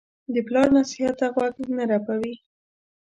د پلار نصیحت ته غوږ نه رپوي.